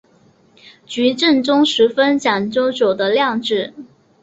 菊正宗十分讲究酒的酿制。